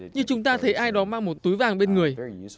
như chúng ta thấy ai đó mang một túi vàng bên người